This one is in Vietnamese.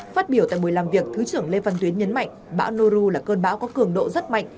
phát biểu tại buổi làm việc thứ trưởng lê văn tuyến nhấn mạnh bão noru là cơn bão có cường độ rất mạnh